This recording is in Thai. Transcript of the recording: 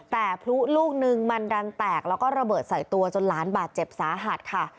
แต่พลุลูกนึงมันดันแตกแล้วก็ระเบิดใส่ตัวจนหลานบาดเจ็บสาหัสค่ะ